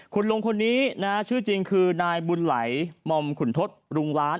คุณลุงคนนี้นะชื่อจริงคือนายบุญไหลมอมขุนทศรุงล้าน